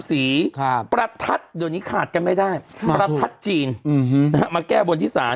สีครับประทัดเดี๋ยวนี้ขาดกันไม่ได้ประทัดจีนครับมาแก้บนที่สาร